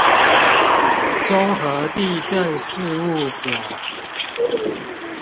中和地政事務所